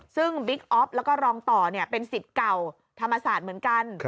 ซึ่งบิ๊กออฟแล้วก็รองต่อเป็นสิทธิ์เก่าธรรมศาสตร์เหมือนกัน